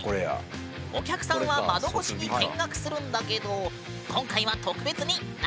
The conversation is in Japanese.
お客さんは窓越しに見学するんだけど今回は特別に中に入れてもらった。